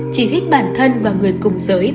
chỉ thích bản thân và người cùng giới